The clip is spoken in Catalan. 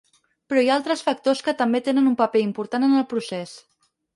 Però hi ha altres factors que també tenen un paper important en el procés.